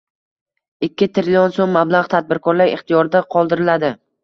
ikki trillion so‘m mablag‘ tadbirkorlar ixtiyorida qoldiriladi.